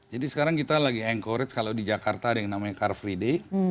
jadi sekarang kita lagi encourage kalau di jakarta ada yang namanya car free day